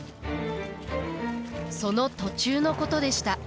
その途中のことでした。